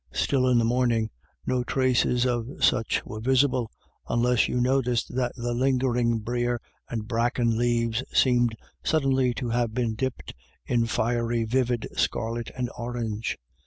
Still, in the morning no traces of such were visible, unless you noticed that the lingering brier and bracken leaves seemed sud denly to have been dipped in fierily vivid scarlet and orange.